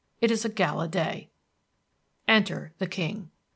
It is a gala day. Enter the King.